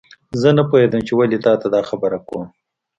زه نه پوهیږم چې ولې تا ته دا خبره کوم